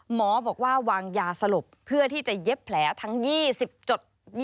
หมอบอกว่าวางยาสลบเพื่อที่จะเย็บแผลทั้ง๒๐จุด